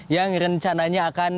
yang rencananya akan